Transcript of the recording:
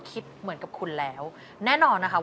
คิดเหมือนกับคุณแล้วแน่นอนนะคะ